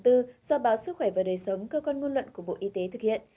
do báo sức khỏe và đời sống cơ quan ngôn luận của bộ y tế thực hiện